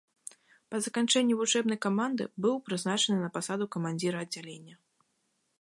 Па заканчэнні вучэбнай каманды быў прызначаны на пасаду камандзіра аддзялення.